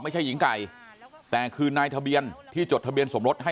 ไม่ใช่หญิงไก่แต่คือนายทะเบียนที่จดทะเบียนสมรสให้